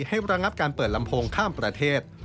ระงับการเปิดลำโพงข้ามประเทศ